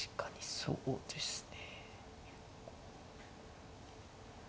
そうですね。